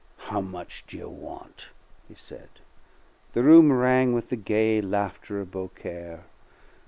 "How much do you want?" he said. The room rang with the gay laughter of Beaucaire.